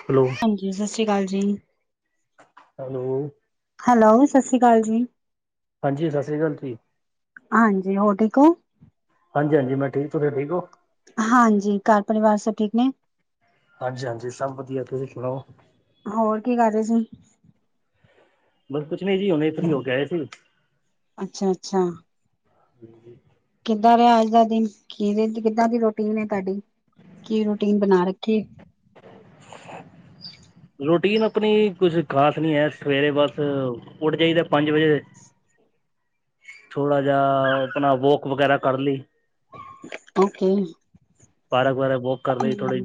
Hello? ਹਾਂਜੀ, ਸਸ਼੍ਰੀ ਕਾਲ ਜੀ। ਹੈਲੋ? ਹੈਲੋ, ਸਸ਼੍ਰੀ ਕਾਲ ਜੀ। ਹਾਂਜੀ, ਸਸ਼੍ਰੀ ਕਾਲ ਜੀ। ਹਾਂਜੀ, ਹੋਰ ਠੀਕੋ? ਹਾਂਜੀ, ਹਾਂਜੀ ਮੈਂ ਠੀਕ, ਤੂਸੀ ਠੀਕ ਓ? ਹਾਂਜੀ, ਘਰ ਪਰਿਵਾਰ ਸਭ ਠੀਕ ਨੇ? ਹਾਂਜੀ, ਹਾਂਜੀ ਸਬ ਵਧੀਆ, ਤੂਸੀ ਸੁਣਾਓ? ਹੋਰ, ਕੀ ਕਰ ਰੇ ਸੀ? ਬਸ ਕੁੱਛ ਨੀ ਜੀ ਹੂਨੇ ਫਰੀ ਹੋ ਕੇ ਆਏ ਸੀ ਅੱਛਾ, ਅੱਛਾ। [inaudible] ਕਿੱਦਾਂ ਰੇਆ ਆਜ ਦਾ ਦਿਨ, ਕਿਦੇ, ਕਿੱਦਾਂ ਦੀ ਰੋਟੀਨ ਏ ਤੂਆਡੀ? ਕੀ ਰੂਟੀਨ ਬਨਾ ਰੱਖੀ ਏ? [inaudible] ਰੋਟੀਨ ਅਪਨੀ ਕੁਝ ਖ਼ਾਸ ਨੀ ਹੈ, ਸਵੇਰੇ ਬਾਸ ਉਠ ਜਾਈਦੈ ਪੰਜ ਵਜੇ। ਥੋੜਾ ਜਾ, ਅਪਨਾ ਵੋਕ ਵਗੈਰਾ ਕਾਰ ਲਈ। ਓਕੇ। ਪਾਰਕ ਵਗੇਰਾ ਵੋਕ ਕਾਰ ਲਈ ਥੋੜਾ,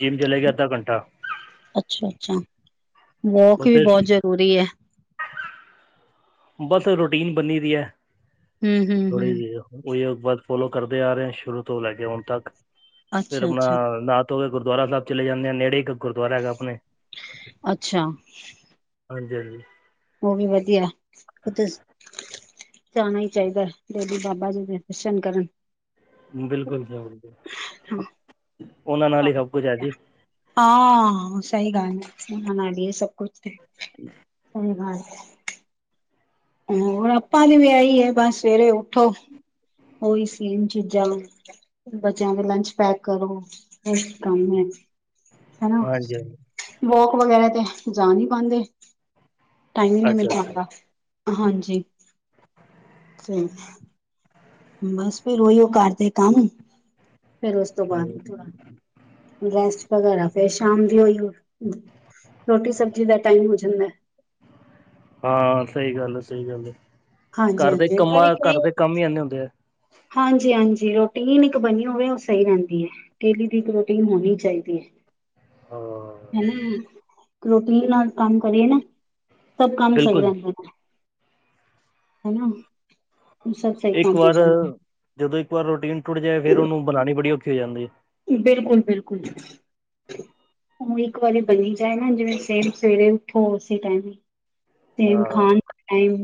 ਜਿਮ ਚਲੇ ਗਏ ਅੱਧਾ ਘੰਟਾ। ਅੱਛਾ, ਅੱਛਾ ਵੋਕ ਵੀ ਬਸ ਬਹੁਤ ਜਰੂਰੀ ਐ। ਬਸ ਰੂਟੀਨ ਬਨੀ ਦੀ ਐ, ਥੋੜੀ ਹੂੰ-ਹੂੰ-ਹੂੰ, ਜੀ ਓ। ਉਹੀਓ ਬਾਦ ਫੋਲੋ ਕਰਦੇ ਆ ਰਹੇ ਸ਼ੁਰੂ ਤੋਂ ਲੈ ਕੇ ਹੁਣ ਤੱਕ, ਫਿਰ ਅੱਛਾ-ਅੱਛਾ, ਆਪਣਾ ਅੱਛਾ। ਅੱਛਾ ਨਾ ਗੁਰਦੁਆਰਾ ਸਾਹਿਬ ਚਲੇ ਜਾਂਨੇ ਆ, ਨੇੜੇ ਇੱਕ ਗੁਰਦੁਆਰਾ ਹੈਗਾ ਆਪਣੇ। ਅੱਛਾ, ਹਾਂਜੀ-ਹਾਂਜੀ ਉਹ ਵੀ ਵਧੀਆ, ਉਥੇ ਜਾਣਾ ਹੀ ਚਾਹੀਦਾ ਏ, ਡੇਲੀ ਬਾਬਾ ਜੀ ਦੇ ਦਰਸ਼ਨ ਕਰਨ। ਬਿਲਕੁਲ ਜਾਨਾ, ਉਹਨਾਂ ਨਾਲ ਹੀ ਸਭ ਕੁਛ ਹੈ ਜੀ। ਹਾਂ ਸਹੀ ਗੱਲ ਏ ੳਹਨਾ ਨਾਲ ਹੀ ਏ ਸਭ ਕੁਛ ਤੇ। [unintelligible] ਸਹੀ ਗਲ ਏ। ਹੋਰ ਆਪਾਂ ਦੀ ਵੀ ਆਹੀ ਏ ਬਸ ਸਵੇਰੇ ਉੱਠੋ, ਉਹੀ ਸੇਮ ਚੀਜ਼ਾਂ। ਬੱਚਿਆਂ ਦੇ ਲੰਚ ਪੈਕ ਕਰੋ, ਏਵੀ ਕੰਮ ਹੈ। ਹੇਨਾ, ਹਾਂਜੀ ਹਾਂਜੀ ਵੋਕ ਵਗੈਰਾ ਤੇ ਜਾ ਨੀ ਪਾਂਦੇ। ਟਾਈਮ ਈ ਨੀ ਮਿਲ ਅੱਛਾ ਅੱਛਾ ਪਾਂਦਾ, ਹਾਂਜੀ। ਹੂੰ ਬਸ ਫੇਰ ਓਈਓ ਘਰ ਦੇ ਕੰਮ, ਫੇਰ ਉਸ ਤੋ ਬਾਅਦ ਹੂੰ। ਥੋੜਾ ਰੈਸਟ ਵਗੈਰਾ ਫੇਰ ਸ਼ਾਮ ਦੀ ਓਈਓ, ਰੋਟੀ ਸਬਜੀ ਦਾ ਟਾਈਮ ਹੋ ਜਾਂਦੈ। ਹਾਂ ਸਹੀ ਗੱਲ ਏ, ਸਈ ਗੱਲ ਏ, ਹਾਂਜੀ ਘਰ ਦੇ ਕੰਮਾ, ਘਾਰ ਦੇ ਕੰਮ ਈ ਐਨੇ ਹੁੰਦੈ ਐ। ਹਾਂਜੀ-ਹਾਂਜੀ ਰੋਟੀਨ ਇਕ ਬਨੀ ਹੋਵੇ ਓ ਸਈ ਰਹਿੰਦੀ ਏ। ਡੇਲੀ ਦੀ ਇਕ ਰੋਟੀਨ ਹੋਨੀ ਚਾਈਦੀ ਐ। ਹਾਂ। ਹੈਨਾ, ਰੋਟੀਨ ਨਾਲ ਕੰਮ ਕਰੀਏ ਨਾ, ਸਭ ਕੰਮ ਸਹੀ ਬਿਲਕੁਲ ਰਹਿੰਦੇ ਨੇ। ਹੇਨਾ। ਇੱਕ ਵਾਰ, ਜਦੋਂ ਇੱਕ ਵਾਰ ਰੋਟੀਨ ਟੁੱਟ ਜਾਏ ਫੇਰ ਉਹਨੂੰ ਬਣਾਣੀ ਬੜੀ ਔਖੀ ਹੋ ਜਾਂਦੀ ਏ। ਬਿਲਕੁਲ-ਬਿਲਕੁਲ। ਉਹ ਇੱਕ ਵਾਰੀ ਬੰਨੀ ਜਾਏ ਨਾ ਜਿਵੇਂ ਸਵੇਰੇ-ਸਵੇਰੇ ਉੱਠੋ ਉਸੇ ਟਾਈਮ ਹੀ। ਹੈ ਸੇਮ ਹਾਂ ਖਾਨ ਟਾਈਮ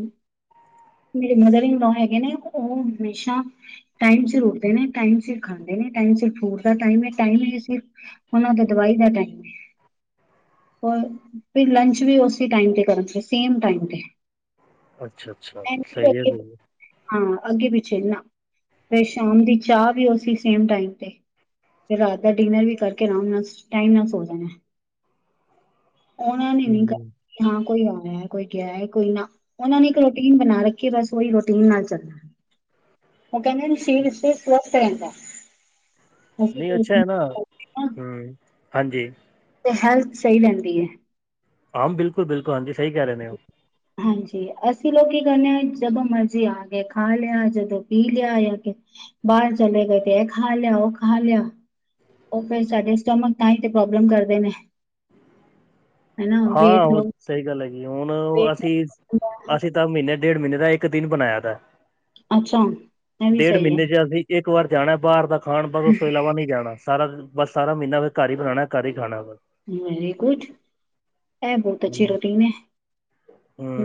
ਮੇਰੇ ਮਦਰ ਇਨਲੋਅ ਹੈਗੇ ਨੇ ਉਹ ਹਮੇਸ਼ਾ ਟਾਈਮ ਸਿਰ ਉੱਠਦੇ ਨੇ, ਟਾਈਮ ਸਿਰ ਖਾਂਦੇ ਨੇ, ਟਾਈਮ ਸਿਰ ਫਰੂ ਟ ਦਾ ਟਾਈਮ ਏ ਟਾਈਮ ਹੀ ਸਿਰਫ ਉਹਨਾਂ ਦੇ ਦਵਾਈ ਦਾ ਟਾਈਮ ਏ। ਹੋਰ ਫੇਰ ਲੰਚ ਵੀ ਉਸੇ ਟਾਈਮ ਤੇ ਕਰਨਗੇ ਸੇਮ ਟਾਈਮ ਤੇ। ਅੱਛਾ-ਅੱਛਾ ਐਂਡ ਸਹੀ ਏ ਅੱਗੇ ਫਿਰ। ਹਾਂ ਅੱਗੇ ਪਿੱਛੇ ਨਾ, ਫਿਰ ਸ਼ਾਮ ਦੀ ਚਾਹ ਵੀ ਉਸੀ ਸੇਮ ਟਾਈਮ ਤੇ। ਫਿਰ ਰਾਤ ਦਾ ਡਿਨਰ ਵੀ ਕਰਕੇ ਆਰਾਮ ਨਾਲ ਟਾਈਮ ਨਾਲ ਸੋ ਜਾਣਾ। ਉਹਨਾਂ ਨੇ ਹੂੰ ਕਦੀ, ਹਾਂ ਕੋਈ ਆਇਆ ਕੋਈ ਗਿਆ ਕੋਈ ਨਾ। ਉਹਨਾਂ ਨੇ ਇੱਕ ਰੋਟੀਨ ਬਣਾ ਰੱਖੀ ਏ ਬਸ ਉਹੀ ਰੋਟੀਨ ਨਾਲ ਚੱਲਣਾ। ਉਹ ਕਹਿੰਦੇ ਨੇ ਸਰੀਰ ਇਸ ਸਵਾਸਤ ਰਹਿਂਦਾ ਏ। ਨਹੀਂ ਅੱਛਾ ਏ ਨਾ, ਹੂੰ ਹਾਂਜੀ। ਤੇ ਹੈਲਥ ਸਹੀ ਰਹਿੰਦੀ ਏ। ਹਾਂ ਬਿਲਕੁਲ-ਬਿਲਕੁਲ ਹਾਂਜੀ ਸਹੀ ਕਹਿ ਰਹੇ ਨੇ ਉਹ। ਹਾਂਜੀ ਅਸੀਂ ਲੋਕ ਕੀ ਕਰਨੇ ਆਂ ਜਦੋਂ ਮਰਜੀ ਆ ਕੇ ਖਾ ਲਿਆ, ਜਦੋਂ ਪੀ ਲਿਆ ਯਾਂ ਬਾਹਰ ਚਲੇ ਗਏ ਤੇ ਏ ਖਾ ਲਿਆ ਉਹ ਖਾ ਲਿਆ। ਉਹ ਫਿਰ ਸਾਡੇ ਸਟਮਕ ਤਾਂ ਹੀ ਤੇ ਪ੍ਰੋਬਲਮ ਕਰਦੇ ਨੇ। ਹਨਾ ਹਾਂ ਵੇਟ ਉਹ ਲੋ ਸਹੀ ਗੱਲ ਹੈਗੀ ਏ ਹੁਣ ਉਹ ਵੇਟ ਅਸੀਂ ਅਸੀਂ ਤਾਂ ਮਹੀਨੇ ਡੇਢ ਮਹੀਨੇ ਦਾ ਇੱਕ ਦਿਨ ਬਣਾਇਆ ਦਾ। ਅੱਛਾ ਇਹ ਵੀ ਡੇੜ ਸਹੀ ਹੈ ਮਹੀਨੇ ਚ ਅਸੀਂ ਇੱਕ ਵਾਰ ਜਾਣਾ ਬਾਹਰ ਦਾ ਖਾਣ ਬਸ ਉਸ ਤੋਂ ਇਲਾਵਾ ਨਹੀਂ ਜਾਣਾ। ਸਾਰਾ ਦਿਨ ਬਸ ਸਾਰਾ ਮਹੀਨਾ ਫਿਰ ਘਰ ਹੀ ਬਣਾਉਣਾ ਘਰ ਹੀ ਖਾਣਾ ਵਾ। Very good. ਇਹ ਬਹੁਤ ਅੱਛੀ ਰੋਟੀਨ ਏ।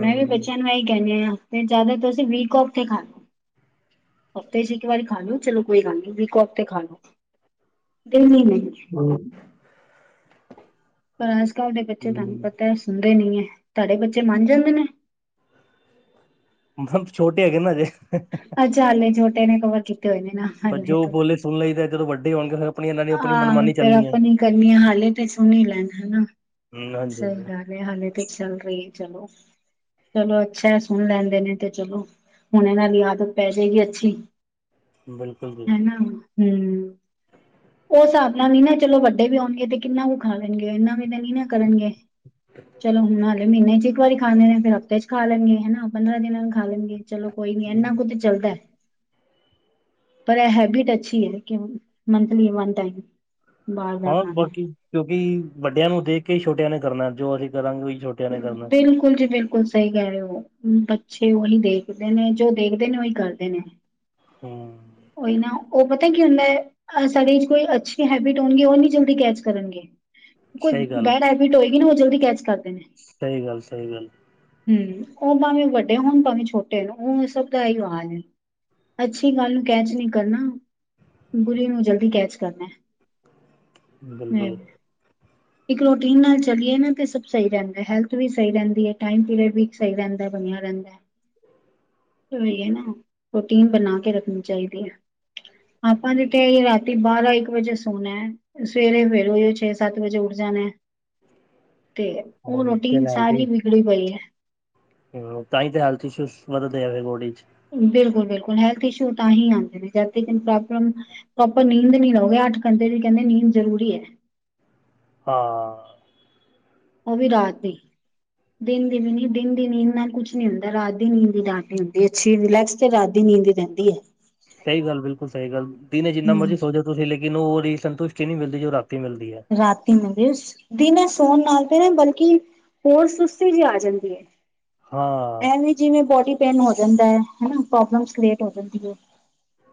ਮੈਂ ਵੀ ਬੱਚਿਆਂ ਨੂੰ ਇਹੀ ਕਹਿੰਨੀ ਆ। ਤੇ ਜਿਆਦਾ ਤੁਸੀਂ ਵੀਕ ਔਫ ਤੇ ਖਾ ਲੋ। ਹਫ਼ਤੇ 'ਚ ਇੱਕ ਵਾਰੀ ਖਾ ਲਓ, ਚਲੋ ਕੋਈ ਗੱਲ ਨੀ, ਵੀਕੋਕ ਤੇ ਖਾ ਲੋ। ਡੇਲੀ ਨਹੀ [unintelligible] ਪਰ ਅੱਜ-ਕੱਲ ਦੇ ਬੱਚੇ ਤੁਹਾਨੂੰ ਪਤਾ ਸੁਣਦੇ ਨੀ ਹੈ। ਤੁਹਾਡੇ ਬੱਚੇ ਮੰਨ ਜਾਂਦੇ ਨੇ ਮ ਛੋਟੇ ਹੈਗੇ ਨਾ ਅਜੇ ਅੱਛਾ ਹਲੇ ਛੋਟੇ ਨੇ ਕਵਰ ਕੀਤੇ ਹੋਏ ਨੇ ਨਾ ਪਰ ਹਾਲੇ ਜੋ ਉਹ ਤੋਂ ਬੋਲੇ ਸੁਣ ਲਈ ਤਾਂ ਜਦੋਂ ਵੱਡੇ ਹੋਣਗੇ ਫੇਰ ਹਾਂ ਫੇਰ ਆਪਣੀ ਕਰਨੀ ਏ ਹਾਲੇ ਤੇ ਸੁਣ ਹੀ ਲੈਣ ਹਨਾ ਹੂੰ ਹਾਂਜੀ ਸਹੀ ਹਾਂਜੀ ਗੱਲ ਹਾਲੇ, ਹਾਲੇ ਤੇ ਚੱਲ ਰਹੀ ਚਲੋ, ਚਲੋ ਅੱਛਾ ਸੁਣ ਲੈਂਦੇ ਨੇ ਤੇ ਚਲੋ ਹੁਣ ਇਹਨਾਂ ਦੀ ਆਦਤ ਪੈ ਜਾਏਗੀ ਅੱਛੀ, ਬਿਲਕੁਲ ਜੀ ਹਨਾ ਹੁੰ ਹਿਸਾਬ ਨਾਲ ਵੀ ਨਾ ਚਲੋ ਵੱਡੇ ਵੀ ਆਉਣਗੇ ਤੇ ਕਿੰਨਾ ਕੁ ਖਾ ਲੇਣਗੇ, ਇੰਨਾ ਵੀ ਤਾਂ ਨੀ ਨਾ ਕਰਨਗੇ, ਚਲੋ ਹੁਣ ਨਾਲੇ ਮਹੀਨੇ 'ਚ ਇੱਕ ਵਾਰੀ। ਖਾਂਦੇ ਨੇ ਫੇਰ ਹਫ਼ਤੇ 'ਚ ਖਾ ਲੈਂਣਗੇ ਹਨਾ, ਪੰਦਰਾਂ ਦਿਨਾਂ ਨੂੰ ਖਾ ਲੈਂਣਗੇ ਚਲੋ ਕੋਈ ਨੀ ਇਹਨਾ ਹੂੰ, ਕੁ ਤੇ 'ਚ ਚੱਲਦਾ ਏ, ਪਰ ਇਹ ਹੈਬਿਟ ਅੱਛੀ ਹੈ ਕਿਂ ਔਨਲੀ ਵਨ ਟਾਈਮ। ਦਾ ਹਾਂ ਖਾਣਾ ਬਾਕੀ ਕਿਉਂਕਿ ਵੱਡਿਆਂ ਨੂੰ ਦੇਖ ਕੇ ਛੋਟਿਆਂ ਨੇ ਕਰਨਾ, ਜੋ ਅਸੀਂ ਕਰਾਂਗੇ ਉ ਛੋਟੇ ਹੂੰ, ਬਿਲਕੁਲ ਜੀ ਬਿਲ ਬਿਲਕੁਲ ਸਹੀ ਕਹਿ ਰਹੇ ਹੋ, ਬੱਚੇ ਉਹੀ ਦੇਖਦੇ ਨੇ ਜੋ ਦੇਖਦੇ ਨੇ ਉਹੀ ਕਰਦੇ ਨੇ। ਹੂੰ ੳਈ ਨਾ, ਉਹ ਪਤਾ ਕੀ ਹੁੰਦਾ ਏ। ਸਾਡੇ 'ਚ ਕੋਈ ਅੱਛੀ ਹੈਬਿਟ ਹੋਣਗੇ, ਉਹ ਨੀ ਜਲਦੀ ਕੈਚ ਕਰਨਗੇ। ਕੋਈ ਸਹੀ ਗੱਲ ਬੈਡ ਹੈਬਿਟ ਹੋਏਗੀ ਨਾ, ਉਹ ਜਲਦੀ ਕੈਚ ਕਰਦੇ ਨੇ। ਸਹੀ ਗੱਲ, ਸਹੀ ਗੱਲ ਹਮ, ਉਹ ਭਾਵੇਂ ਵੱਡੇ ਹੋਣ ਭਾਵੇਂ ਛੋਟੇ ਹੋ ਉਹ ਸਭ ਦਾ ਏ ਹਾਲ ਏ ਅੱਛੀ ਗੱਲ ਕੈਚ ਨੀ ਕਰਨਾ, ਬੁਰੀ ਨੂੰ ਜਲਦੀ ਕੈਚ ਕਰਨਾ ਹੁੰ ਬਿਲਕੁਲ ਇੱਕ ਰੂਟੀਨ ਨਾਲ ਚਲੀਏ ਨਾ ਤੇ ਸਭ ਸਹੀ ਰਹਿੰਦਾ, ਹੈਲਥ ਵੀ ਸਹੀ ਰਹਿੰਦੀ ਹੈ, ਟਾਈਮ ਪੀਰੀਅਡ ਵੀ ਸਹੀ ਰਹਿੰਦਾ, ਬਣਿਆ ਰਹਿੰਦਾ ਹੀ ਹੈ ਨਾ, ਰੂਟੀਨ ਬਣਾ ਕੇ ਰੱਖਣੀ ਚਾਹੀਦੀ ਹੈ ਆਪਾਂ ਜ ਰਾਤੀ ਬਾਰਾਂ, ਇੱਕ ਵਜੇ ਸੋਨਾ ਹੈ ਸਵੇਰੇ ਫੇਰ ਓਹੀ ਛੇ, ਸਤ ਵਜੇ ਉੱਠ ਜਾਣਾ ਤੇ, ਉਹ ਹਾਂ ਰੂਟੀਨ ਫਿਰ ਸਾਰੀ ਵਿਗੜੀ ਪਈ ਹੈ ਹਮ, ਤਾਂ ਹੀ ਤੇ ਹੈਲਥ ਇਸ਼ੂਸ਼ ਵੱਧ ਦੇ ਬੋਡੀ 'ਚ ਬਿਲਕੁਲ, ਬਿਲਕੁਲ ਹੈਲਥ ਇਸ਼ੂ ਤਾਂ ਹੀ ਆਉਂਦੇ ਨੇ [unintelligible] ਪ੍ਰੋਪਰ ਨੀਂਦ ਨੀ ਲਓਗੇ, ਅੱਠ ਘੰਟੇ ਦੀ ਕਹਿੰਦੇ ਨੀਂਦ ਜ਼ਰੂਰੀ ਹੈ ਹਾਂ ਉਹ ਵੀ ਰਾਤ ਦੀ ਦਿਨ ਦੀ ਵੀ ਨੀ ਦਿਨ ਦੀ ਨੀਂਦ ਨਾ ਕੁਛ ਨੀ ਹੁੰਦਾ, ਰਾਤ ਦੀ ਨੀਂਦ ਦੀ ਰਾਤ ਦੀ ਹੁੰਦੀ ਹੈ ਅੱਛੀ ਰਿਲੈਕਸ ਤੇ ਰਾਤੀ ਨੀਂਦ ਰਹਿੰਦੀ ਹੈ ਸਹੀ ਗੱਲ ਬਿਲਕੁਲ ਸਹੀ ਗੱਲ, ਦਿਨੇ ਜਿੰਨਾ ਹੂੰ ਮਰਜ਼ੀ ਸੋ ਜੋ ਤੁਸੀਂ ਲੇਕਿਨ, ਉਹਦੀ ਸੰਤੁਸ਼ਟੀ ਨਹੀਂ ਮਿਲਦੀ ਜੋ ਰਾਤੀ ਮਿਲਦੀ ਹੈ ਰਾਤੀ ਮਿਲਦੀ ਹੈ, ਦਿਨੇ ਸੋਣ ਨਾਲ ਤੇ ਨਾ ਬਲਕਿ ਹੋਰ ਸੁਸਤੀ ਜਿ ਆ ਜਾਂਦੀ ਹੈ। ਹਾਂ ਐਵੇਂ ਜਿਵੇਂ ਬੋਡੀ ਪੇਨ ਹੋ ਜਾਂਦਾ ਹੈ। ਹਨਾ ਪ੍ਰੋਬਲਮਸ ਕ੍ਰੀਏਟ ਹੋ ਜਾਂਦੀ ਹੈ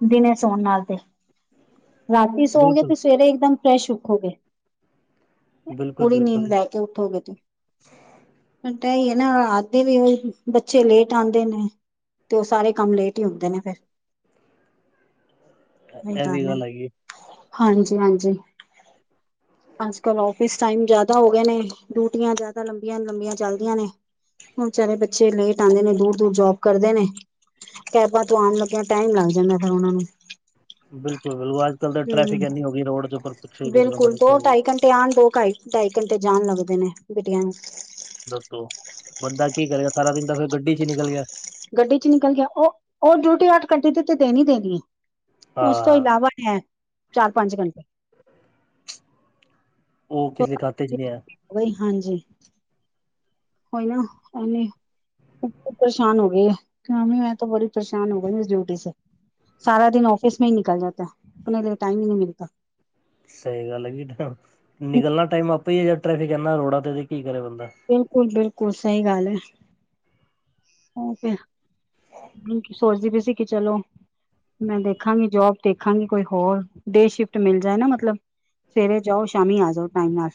ਦਿਨੇ ਸੌਣ ਨਾਲ ਤੇ। ਰਾਤੀ ਸੋੲਗੇ ਬਿਲਕੁਲ ਤੇ ਸਵੇਰੇ ਇਕਦਮ ਫਰੈਸ਼ ਉਠੋਗੇ ਬਿਲਕੁਲ ਪੂਰੀ ਨੀਂਦ ਬਿਲਕੁਲ ਲੈ ਕੇ ਉਠੋਗੇ ਏਦਾਂ ਹੀ ਹੈ ਨਾ, ਰਾਤ ਦੇ ਵੀ ਬੱਚੇ ਲੇਟ ਆਂਉਦੇ ਨੇ ਤੇ ਉਹ ਸਾਰੇ ਕੰਮ ਲੇਟ ਹੀ ਹੁੰਦੇ ਨੇ ਫੇਰ ਏਹ ਹੀ ਇਹ ਵੀ ਗੱਲ ਹੈ ਹੈਗੀ ਹਾਂਜੀ, ਹਾਂਜੀ ਅੱਜ-ਕੱਲ੍ਹ ਔਫਿਸ ਟਾਈਮ ਜ਼ਿਆਦਾ ਹੋ ਗਏ ਨੇ, ਡਿਊਟੀਆਂ ਜ਼ਿਆਦਾ ਲੰਬੀਆਂ- ਲੰਬੀਆਂ ਚੱਲਦੀਆਂ ਨੇ। ਹੁਣ ਵਿਚਾਰੇ ਬੱਚੇ ਲੇਟ ਆਂਦੇ ਨੇ, ਦੂਰ-ਦੂਰ ਜੋਬ ਕਰਦੇ ਨੇ। ਕੈਬਾਂ ਤੋਂ ਆਨ ਲੱਗਿਆ ਟਾਈਮ ਲੱਗ ਜਾਂਦਾ, ਫੇਰ ਉਹਨਾਂ ਨੂੰ। ਬਿਲਕੁਲ ਬਿਲ ਅੱਜ-ਕੱਲ ਤਾਂ ਟਰੈਫਿਕ ਹਮ ਇੰਨੀ ਹੋ ਗਈ ਏ, ਰੋਡ ਦੇ ਉਪਰ। ਬਿਲਕੁਲ ਦੋ ਢਾਈ ਘੰਟੇ ਆਣ, ਦੋ ਢਾਈ ਘੰਟੇ ਜਾਣ ਲੱਗਦੇ ਨੇ, ਬੇਟੀਆਂ ਨੂੰ। ਦੱਸੋ ਬੰਦਾ ਕੀ ਕਰੇਗਾ, ਸਾਰਾ ਦਿਨ ਤਾਂ ਫਿਰ ਗੱਡੀ ਚ ਹੀ ਨਿਕਲ ਗਿਆ। ਗੱਡੀ ਚ ਨਿਕਲ ਗਿਆ, ਉਹ- ਉਹ ਡਿਊਟੀ ਅੱਠ ਘੰਟੇ ਦੀ ਤੇ ਦੇਨੀ ਦੇਨੀ ਐ। ਉਸ ਤੋਂ ਹਾਂ ਇਲਾਵਾ ਐ, ਚਾਰ-ਪੰਜ ਘੰਟੇ। ਉਹ ਕਿਸੇ [unintelligible] ਖਾਤੇ ਚ ਨਹੀਂ ਹੈ ਉਹੀ ਹਾਂਜੀ ਕੋਈ ਨਾ ਔਨੇ ਆ। ਪਰੇਸ਼ਾਨ ਹੋ ਗਏ ਆਂ, ਬਈ ਮੈਂ ਤੋ ਬੜੀ ਪਰੇਸ਼ਾਨ ਹੋ ਗਈ ਇਸ ਡਿਊਟੀ ਸੇ। ਸਾਰਾ ਦਿਨ ਔਫਿਸ ਮੇਂ ਹੀ ਨਿਕਲ ਜਾਤਾ, ਅਪਨੇ ਲੀਏ ਟਾਈਮ ਹੀ ਨਹੀਂ ਮਿਲਤਾ। ਸਹੀ ਗੱਲ ਏ, ਨਿਕਲਣਾ ਟਾਈਮ ਆਪੇ ਹੀ ਆ, ਜਦ ਟ੍ਰੈਫਿਕ ਇੰਨਾ ਰੋਡਾਂ ਤੇ, ਤੇ ਕੀ ਕਰੇ ਬੰਦਾ। ਬਿਲਕੁਲ-ਬਿਲਕੁਲ, ਸਹੀ ਗੱਲ ਏ। ਉਹ ਫੇਰ ਸੋਚਦੀ ਪਈ ਸੀ, ਕਿ ਚਲੋ ਮੈਂ ਦੇਖਾਂਗੀ ਜੋਬ ਦੇਖਾਂਗੀ, ਕੋਈ ਹੋਰ ਡੇ ਸ਼ਿਫਟ ਮਿਲ ਜਾਏ ਨਾ, ਮਤਲਬ। ਸਵੇਰੇ ਜਾਓ, ਸ਼ਾਮੀ ਆ ਜਾਓ, ਟਾਈਮ ਨਾਲ।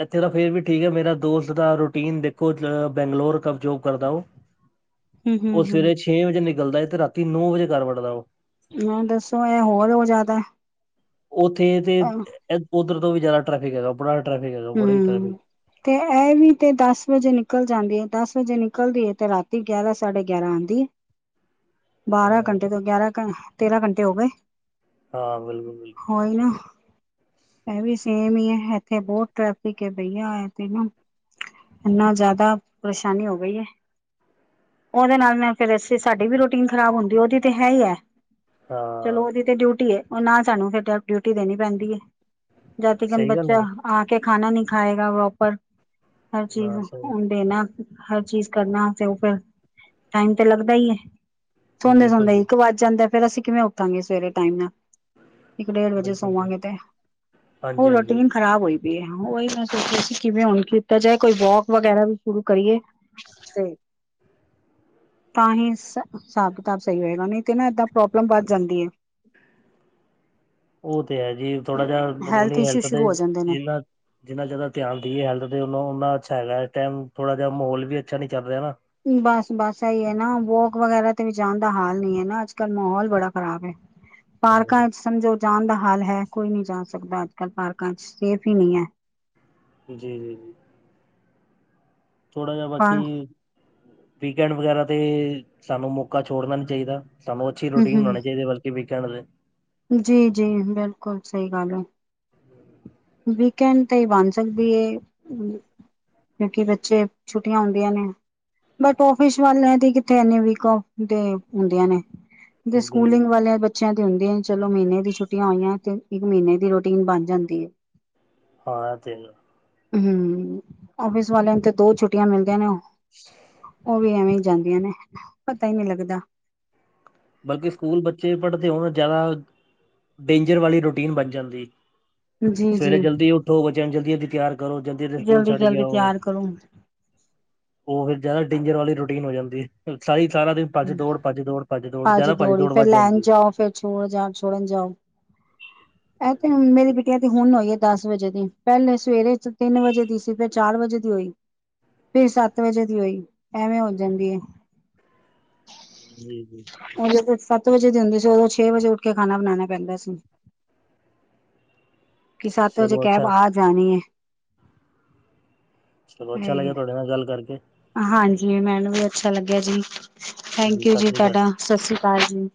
ਐਥੇ ਤਾਂ ਫੇਰ ਵੀ ਠੀਕ ਐ, ਮੇਰਾ ਦੋਸਤ ਦਾ ਰੂਟੀਨ ਦੇਖੋ ਬੈਂਗਲੋਰ ਜੋਬ ਕਰਦੈ ਓਹ। [inaudible] ਹੂੰ ਉਹ ਸਵੇਰੇ ਹੂੰ ਛੇਂ ਵਜੇ ਨਿਕਲਦੈ, ਤੇ ਰਾਤੀ ਨੌਂ ਵਜੇ ਘਰ ਵੜਦੈ ਉਹ। ਨੌਂ ਦਸੋ ਇਹ ਹੋਰ ਹੋ ਜਾਦਾ ਓਥੇ ਤੇ ਓਦਰ ਤੋਂ ਵੀ ਜਾਦਾ ਟਰੈਫਿਕ ਹੈਗੈ, ਬੜਾ ਟਰੈਫਿਕ ਹੈਗਾ, ਹੂੰ ਬੜਾ ਈ ਟਰੈਫਿਕ ਹੈਗੈ। ਤੇ ਐਹ ਵੀ ਤੇ ਦਸ ਵਜੇ ਨਿਕਲ ਜਾਂਦੀ ਐ, ਦਸ ਵਜੇ ਨਿਕਲਦੀ ਐ, ਤੇ ਰਾਤੀ ਗਿਆਰਾਂ ਸਾਢੇ ਗਿਆਰਾਂ ਆਂਦੀ ਐ। ਬਾਰਾਂ ਹਾਂ ਘੰਟੇ ਤੋਂ ਗਿਆਰਾਂ ਘ, ਤੇਰਾਂ ਘੰਟੇ ਹੋ ਗਏ। ਹਾਂ, ਬਿਲਕੁਲ-ਬਿਲਕੁਲ। ਉਹੀ ਨਾ, ਐਹ ਵੀ ਸੇਮ ਈ ਐ, ਐਥੇ ਬੋਤ ਟਰੈਫਿਕ ਏ ਬਈਆ ਏ ਤੇ, ਨਾ ਇੰਨਾ ਜਾਦਾ ਪਰਸ਼ਾਨੀ ਹੋ ਗਈ ਏ। ਉਹਦੇ ਨਾਲ ਮੈਂ ਫਿਰ ਅਸੀ ਸਾਡੀ ਵੀ ਰੂਟੀਨ ਖ਼ਰਾਬ ਹੁੰਦੀ ਏ, ਉਹਦੀ ਤੇ ਹੈ ਈ ਐ। ਚਲੋ ਹਾਂ ਓਦੀ ਤੇ ਡਿਊਟੀ ਏ, ਓਹ ਨਾਲ ਸਾਨੂੰ ਫੇਰ ਡਿਊਟੀ ਦੇਨੀ ਪੈਂਦੀ ਐ। ਜਦ ਤੀਕਨ ਸਹੀ ਗੱਲ ਹੈ ਬੱਚਾ ਜੀ ਆ ਕੇ ਖਾਣਾ ਨੀ ਖਾਏਗਾ ਪ੍ਰੋਪਰ। ਹਰ ਚੀਜ ਹਾਂ ਉਹਨੂੰ ਸਹੀ ਦੇਣਾ ਆ ਕੇ। ਹਰ ਚੀਜ਼ ਕਰਨਾ, ਤੇ ਉਹ ਫੇਰ ਟਾਈਮ ਤੇ ਲੱਗਦਾ ਈ ਐ, ਸੌਂਦੇ- ਬਿਲਕੁਲ ਸੌਦੇ ਜੀ ਇੱਕ ਵੱਜ ਜਾਂਦੈ, ਫੇਰ ਅਸੀ ਕਿਵੇਂ ਉਠਾਂਗੇ ਸਵੇਰੇ ਟਾਈਮ ਨਾਲ। ਇੱਕ ਡੇਢ ਵਜੇ ਬਿਲਕੁਲ ਜੀ ਸੋਵਾਂਗੇ ਤੇ, ਉਹ ਹਾਂਜੀ ਹਾਂਜੀ ਰੁਟੀਨ ਖ਼ਰਾਬ ਹੋਈ ਪਈ ਐ, ਉਹੀ ਮੈਂ ਸੋਚਿਆ ਸੀ ਕਿਵੇਂ ਹੁਣ ਕੀਤਾ ਜਾਏ, ਕੋਈ ਵੌਕ ਵਗੈਰਾ ਵੀ ਸ਼ੁਰੂ ਕਰੀਏ। ਤੇ ਤਾਂਹੀ ਸ ਹਿਸਾਬ ਕਿਤਾਬ ਸਹੀ ਹੋਏਗਾ, ਨਈ ਤੇ ਨਾ ਏਦਾਂ ਪ੍ਰੋਬਲਮ ਵਧ ਜਾਂਦੀ ਏ। ਉਹ ਤੇ ਹੈ ਜੀ, ਥੋੜਾ ਜਾ ਹੈ ਅਪਨੀ ਇਸ਼ੂ ਹੈਲਥ ਸ਼ੁਰੂ ਤੇ ਹੋ ਜਾਂਦੇ ਨੇ ਜਿੰਨਾ ਜਿੰਨਾ ਜਾਦਾ ਧਿਆਨ ਦਈਏ ਹੈਲਥ ਤੇ ਓਨਾ-ਓਨਾ ਅੱਛਾ ਹੈਗਾ, ਇਸ ਟਾਈਮ ਥੋੜਾ ਜਾ ਮਹੌਲ ਵੀ ਅੱਛਾ ਨੀ ਚਲ ਰਿਆ ਨਾ। ਬਸ-ਬਸ ਐਈ ਏ ਨਾ, ਵੌਕ ਵਗੈਰਾ ਤੇ ਵੀ ਜਾਣ ਦਾ ਹਾਲ ਨਈ ਐ, ਨਾ ਅੱਜ-ਕੱਲ੍ਹ ਮਹੌਲ ਬੜਾ ਖ਼ਰਾਬ ਐ। [inaudible] ਪਾਰਕਾਂ ਚ ਹਮ ਸਮਝੋ ਜਾਣ ਦਾ ਹਾਲ ਹੈ, ਕੋਈ ਨੀ ਜਾ ਸਕਦਾ ਅੱਜ ਕੱਲ ਪਾਰਕਾਂ ਚ, ਸੇਫ ਈ ਨਈ ਐ। ਜੀ-ਜੀ-ਜੀ। ਥੋੜਾ ਜਾ ਹਾਂ ਬਾਕੀ, ਵੀਕੈਂਡ ਵਗੈਰਾ ਤੇ ਸਾਨੂੰ ਮੌਕਾ ਛੋੜਨਾ ਨੀ ਚਾਈਦਾ। ਸਾਨੂੰ ਅੱਛੀ ਹਮ ਰੁਟੀਨ ਬਨਾਣੀ ਚਾਈਦੀ ਏ, ਬਲਕਿ ਵੀਕੈਂਡ ਤੇ। ਜੀ-ਜੀ, ਬਿਲਕੁਲ ਸਈ ਗੱਲ ਐ। ਵੀਕੈਂਡ ਤੇ ਈ ਬਣ ਸਕਦੀ ਏ। ਕਿਉਂਕਿ ਬੱਚੇ ਛੁੱਟੀਆਂ ਹੁੰਦੀਆਂ ਨੇ। ਮੈਂ ਕਿਹਾ ਔਫਿਸ ਵਾਲਿਆਂ ਦੀ ਕਿੱਥੇ ਹੁੰਦੀ ਨੇ, ਵੀਕ ਔਫ ਤੇ ਹੁੰਦੀਆਂ ਨੇ, ਤੇ ਸਕੂਲਿੰਗ ਬਿਲਕੁਲ ਵਾਲਿਆਂ ਬੱ ਬੱਚਿਆ ਦੀ ਹੁੰਦੀਆਂ, ਚਲੋ ਮੀਨੇ ਦੀ ਛੁੱਟੀਆਂ ਹੋਈਆਂ ਤੇ ਇੱਕ ਮੀਨੇ ਦੀ ਰੁਟੀਨ ਬਨ ਜਾਂਦੀ ਏ [unintelligible] ਹਮ, ਆਫਿਸ ਵਾਲਿਆਂ ਨੂੰ ਤੇ ਦੋ ਛੁੱਟੀਆਂ ਮਿਲਦੀਆਂ ਨੇ ਉਹ [unintelligible] ਉਹ ਵੀ ਐਵੇਂ ਹੀ ਜਾਂਦੀਆਂ ਨੇ, ਪਤਾ ਹੀ ਨਹੀਂ ਲੱਗਦਾ ਬਲਕਿ ਸਕੂਲ ਬੱਚੇ ਪੜ੍ਹਦੇ ਹੋਣ ਜ਼ਿਆਦਾ, ਡੇਂਜਰ ਵਾਲੀ ਰੂਟੀਨ ਬਣ ਜਾਂਦੀ ਸਵੇਰੇ ਜੀ-ਜੀ ਜਲਦੀ ਉੱਠੋ, ਬੱਚਿਆਂ ਨੂੰ ਜਲਦੀ ਜਲਦੀ ਤਿਆਰ ਕਰੋ ਜਲਦੀ ਸਕੂਲ ਛੱਡ ਕੇ ਜਲਦੀ ਆਓ ਤਿਆਰ ਕਰੋ। ਉਹ ਫਿਰ ਜ਼ਿਆਦਾ ਡੇਂਜਰ ਵਾਲੀ ਰੂਟੀਨ ਹੋ ਜਾਂਦੀ, ਸਾਰੀ ਸਾਰਾ ਦਿਨ ਭੱਜ ਦੌੜ ਭੱਜ ਦੌੜ ਭੱਜ ਤੋੜ, ਜਿਆਦਾ ਭਜ ਦੌੜੀ ਦੋੜ ਫੇਰ ਵੱਦ ਲੈਣ ਜਾਂਦੀ ਹੈ ਜਾਓ ਫੇਰ ਛੋੜ ਜਾਣ ਛੋੜਨ ਜਾਓ ਇਹ ਤੇ ਮੇਰੀ ਬਿੱਟੀਆ ਤੇ ਹੁਣ ਆਈ ਹੈ ਦਸ ਵਜੇ ਦੀ, ਪਹਿਲੇ ਸਵੇਰੇ ਤਿੰਨ ਵਜੇ ਦੀ ਚਾਰ ਵਜੇ ਦੀ ਹੋਈ, ਫਿਰ ਸੱਤ ਵਜੇ ਦੀ ਹੋਈ ਐਵੇਂ ਹੋ ਜਾਂਦੀ ਏ। ਜੀ ਜੀ। ਓ ਜਦੋਂ ਸੱਤ ਵਜੇ ਦੀ ਹੁੰਦੀ ਸੀ, ਓਦੋਂ ਛੇ ਵਜੇ ਉੱਠ ਕੇ ਖਾਨਾ ਬਨਾਨਾ ਪੈਂਦਾ ਸੀ। ਕਿ ਸਤ ਵਜੇ ਚਲੋ ਕੈਬ ਅੱਛਾ ਆ ਜਾਨੀ ਏ। ਚਲੋ, ਅੱਛਾ ਲਗੇਆ ਤੋਡੇ ਨਾਲ ਗੱਲ ਕਰਕੇ। ਹਾਂਜੀ, ਮੈਨੂੰ ਵੀ ਅੱਛਾ ਲਗੇਆ ਜੀ, ਥੈਂਕ ਯੂ ਸਤਿ ਜੀ ਸ੍ਰੀ ਅਕਾਲ ਤੋਡਾ ਸਸ੍ਰੀ ਕਾਲ ਜੀ।